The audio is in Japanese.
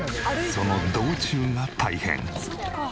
その道中が大変。